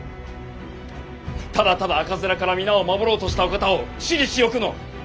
ただただ赤面から皆を守ろうとしたお方を私利私欲の！